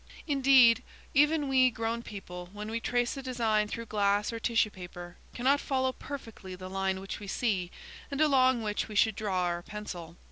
Indeed, even we grown people, when we trace a design through glass or tissue paper, cannot follow perfectly the line which we see and along which we should draw our pencil.